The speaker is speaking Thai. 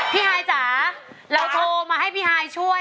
พี่ให้จ๋าเราโทรมาให้พี่ให้ช่วยจ้า